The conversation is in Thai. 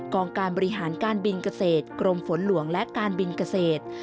องการบริหารการบินเกษตรกรมฝนหลวงและการบินเกษตร